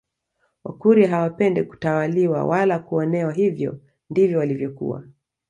Wakurya hawapendi kutawaliwa wala kuonewa hivyo ndivyo walivyokuwa